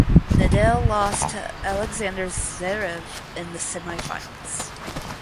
Nadal lost to Alexander Zverev in the semifinals.